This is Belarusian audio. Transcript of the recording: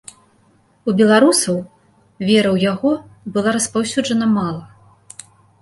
У беларусаў вера ў яго была распаўсюджана мала.